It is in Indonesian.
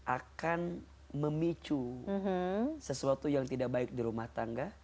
akan memicu sesuatu yang tidak baik di rumah tangga